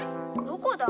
どこだ？